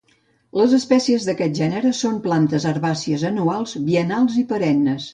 Les espècies d'aquest gènere són plantes herbàcies anuals, biennals i perennes.